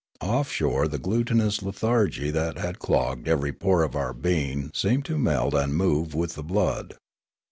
Off shore the glutinous lethargy that had clogged every pore of our being seemed to melt and move with the blood.